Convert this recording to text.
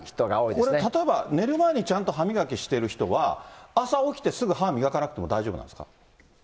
これ、例えば、寝る前にちゃんと歯磨きしてる人は、朝起きてすぐ歯磨かなくても大丈夫なんですか？